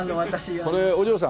これお嬢さん。